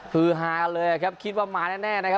คือฮากันเลยครับคิดว่ามาแน่นะครับ